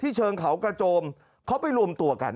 เชิงเขากระโจมเขาไปรวมตัวกัน